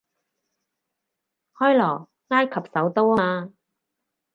開羅，埃及首都吖嘛